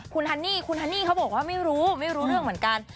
คุณฮันนี่คุณฮันนี่เขาบอกว่าไม่รู้ไม่รู้เรื่องเหมือนกัน